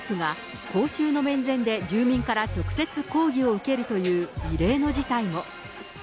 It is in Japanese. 上海市のトップが公衆の面前で住民から直接抗議を受けるという、異例の事態も。